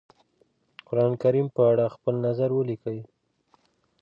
قرآنکريم په اړه خپل نظر وليکی؟